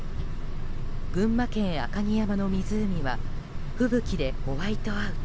群馬県赤城山の湖は吹雪でホワイトアウト。